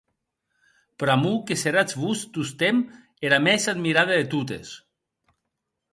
Pr'amor que seratz vos tostemp era mès admirada de totes.